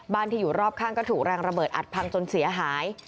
ที่อยู่รอบข้างก็ถูกแรงระเบิดอัดพังจนเสียหาย